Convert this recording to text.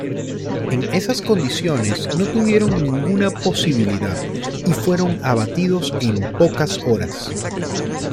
En esas condiciones, no tuvieron ninguna posibilidad y fueron abatidos en pocas horas.